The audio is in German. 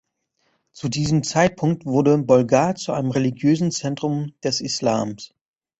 Zu diesem Zeitpunkt wurde Bolgar zu einem religiösen Zentrum des Islams.